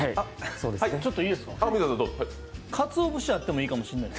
ちょっといいですか、かつお節あってもいいかもしれない。